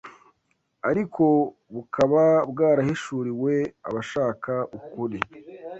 ariko bukaba bwarahishuriwe abashaka ukuri